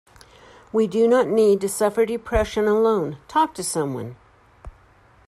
We do not need to suffer depression alone, talk to someone.